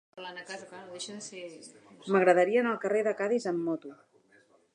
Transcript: M'agradaria anar al carrer de Cadis amb moto.